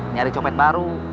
nyari copet baru